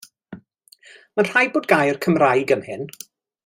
Mae'n rhaid bod gair Cymraeg am hyn?